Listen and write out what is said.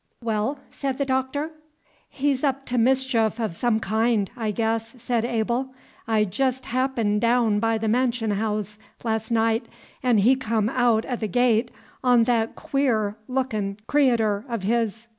"Well?" said the Doctor. "He's up to mischief o' some kind, I guess," said Abel. "I jest happened daown by the mansion haouse last night, 'n' he come aout o' the gate on that queer lookin' creator' o' his.